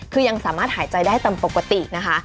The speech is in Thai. คือยังสามารถหายใจได้ตามปกตินะคะ